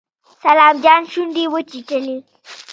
سلام جان شونډې وچيچلې.